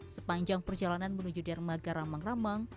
sepanjang perjalanan menuju dermaga rambang rambang